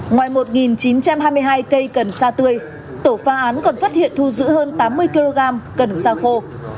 ngoài một chín trăm hai mươi hai cây cần sa tươi tổ pha án còn phát hiện thu giữ hơn tám mươi kg cần xa khô